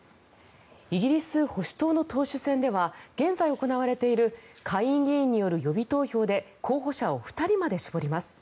イギリス保守党の党首選では現在行われている下院議員による予備投票で候補者を２人にまで絞ります。